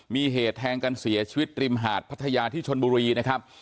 มีเหตุแทงกันเสียชีวิตริมหาดพัทยาที่ชนบุรีนะครับ